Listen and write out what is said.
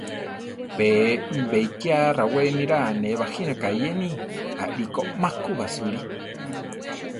Pe beikiá rawé niraa ne bajínaka eyeni; aʼliko ma ku basúli.